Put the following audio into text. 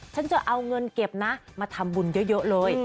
ฉันจะเอาเงินเก็บนะมาทำบุญเยอะเลย